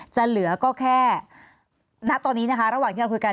เหลือก็แค่ณตอนนี้นะคะระหว่างที่เราคุยกัน